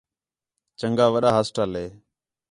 چَنڳا وݙا ہاسٹل ہے